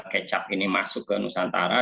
kecap ini masuk ke nusantara